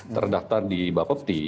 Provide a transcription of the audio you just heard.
terdaftar di bapepti